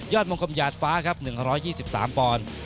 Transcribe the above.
ยอดมุมกเริงยาดฟ้าครับ๑๒๓ปอนด์